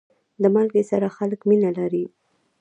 د مالګې سره خلک مینه لري.